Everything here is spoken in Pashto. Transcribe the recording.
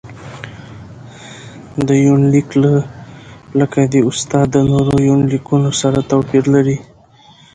دا يونليک لکه د استاد د نورو يونليکونو سره تواپېر لري.